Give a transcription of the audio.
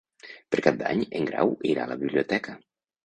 Per Cap d'Any en Grau irà a la biblioteca.